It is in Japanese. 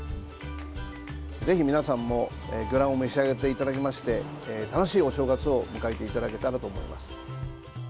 ぜひ皆さんも魚卵を召し上がっていただきまして楽しいお正月を迎えていただけたらと思います。